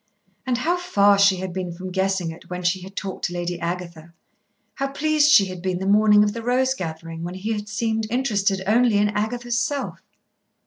And how far she had been from guessing it when she had talked to Lady Agatha, how pleased she had been the morning of the rose gathering when he had seemed interested only in Agatha's self!